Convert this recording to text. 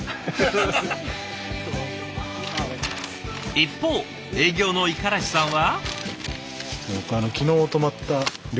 一方営業の五十嵐さんは。